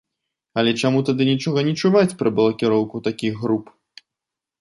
Але чаму тады нічога не чуваць пра блакіроўку такіх груп?